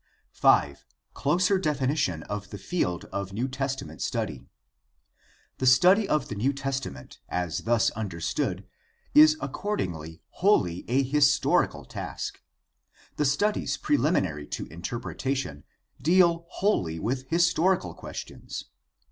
5. Closer definition of the field of New Testament study. — The study of the New Testament as thus understood is accord ingly wholly a historical task. The studies preliminary to interpretation deal wholly with historical questions.